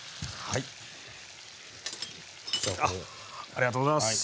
ありがとうございます。